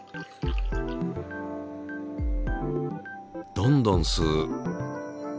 どんどん吸う。